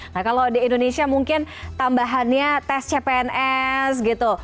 nah kalau di indonesia mungkin tambahannya tes cpns gitu